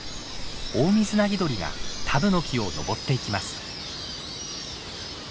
オオミズナギドリがタブノキを登っていきます。